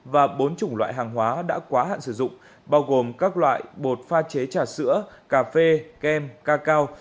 và bốn chủng loại hàng hóa đã quá hạn sử dụng bao gồm các loại bột pha chế trà sữa cà phê kem cacao